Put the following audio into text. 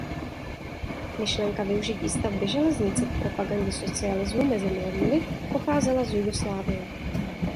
Myšlenka využití stavby železnice k propagandě socialismu mezi mladými pocházela z Jugoslávie.